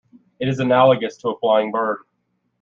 It is analogous to a flying bird.